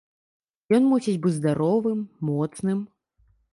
Ён мусіць быць здаровым, моцным.